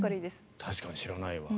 確かに知らないわ。